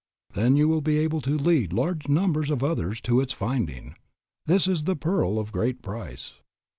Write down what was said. Then you will be able to lead large numbers of others to its finding. This is the pearl of great price.